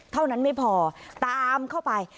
เท่านั้นไม่พอตามเข้าไป